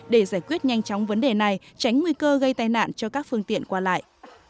để giải quyết nhanh chóng vấn đề này tránh nguy cơ gây tai nạn cho các phương tiện qua lại